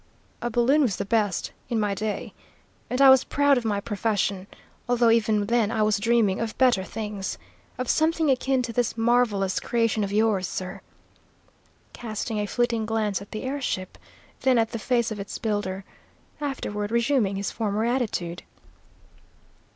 "A balloon was the best, in my day, and I was proud of my profession, although even then I was dreaming of better things of something akin to this marvellous creation of yours, sir," casting a fleeting glance at the air ship, then at the face of its builder, afterward resuming his former attitude.